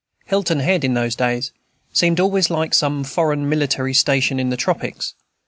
Hilton Head, in those days, seemed always like some foreign military station in the tropics.